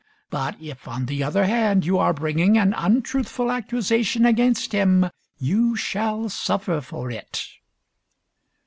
But if, on the other hand, you are bringing an untruthful accusation against him, you shall suffer for it."